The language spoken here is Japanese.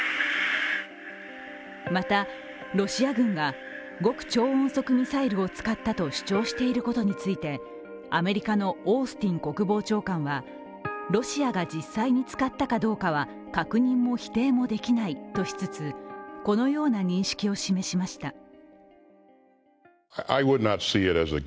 また、ロシア軍が極超音速ミサイルを使ったと主張していることについてアメリカのオースティン国防長官はロシアが実際に使ったかどうかは確認も否定もできないとしつつこのような認識を示しました。